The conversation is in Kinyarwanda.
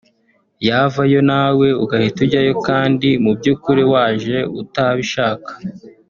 yavayo nawe ugahita ujyayo kandi mu byukuri waje utabishaka